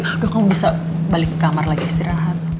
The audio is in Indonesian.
aduh kamu bisa balik ke kamar lagi istirahat